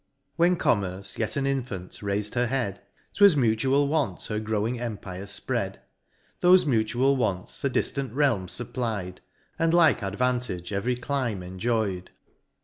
When Commerce, yet an infant, rais'd her head, 'Twas mutual want her growing empire fpread : Thofe mutual wants a diflant realm fupply'd, And like advantage every clime enjoy'd.